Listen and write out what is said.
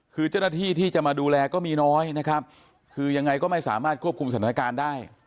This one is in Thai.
คือเจ้าหน้าที่ที่จะมาดูแลก็มีน้อยนะครับคือยังไงก็ไม่สามารถควบคุมสถานการณ์ได้